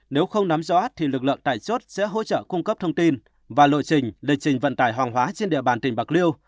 nếu không nắm rõ thì lực lượng tại chốt sẽ hỗ trợ cung cấp thông tin và lộ trình lịch trình vận tải hàng hóa trên địa bàn tỉnh bạc liêu